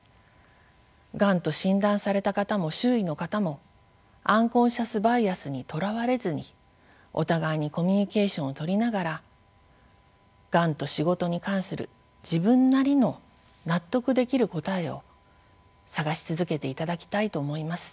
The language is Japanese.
がんと診断された方も周囲の方もアンコンシャスバイアスにとらわれずにお互いにコミュニケーションをとりながらがんと仕事に関する自分なりの納得できる答えを探し続けていただきたいと思います。